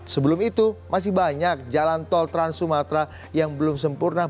sebelum itu masih banyak jalan tol trans sumatera yang belum sempurna